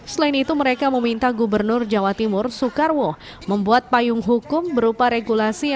selain itu mereka meminta gubernur jawa timur soekarwo membuat payung hukum berupa regulasi